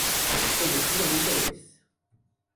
Efectivamente lo es.